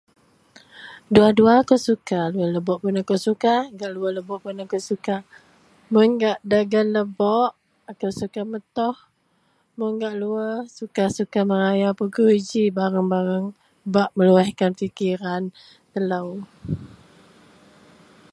dua-dua a kou suka, gak lebok pun akou gak luar lebok pun akou suka, mun gak dagen lebok akou suka metuh mun gak luar suka-suka merayau pegui ji barang-barang bak meluaskan pikiran telou